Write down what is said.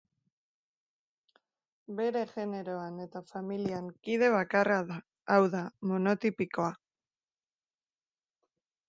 Bere generoan eta familian kide bakarra da, hau da, monotipikoa.